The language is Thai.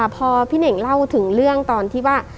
พอพี่เน่งเล่าถึงเรื่องตอนที่ว่า